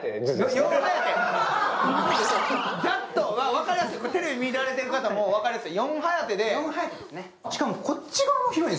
分かりやすい、テレビ見てる方も分かりやすい。